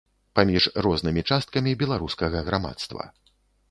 Паміж рознымі часткамі беларускага грамадства.